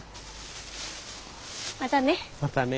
またね。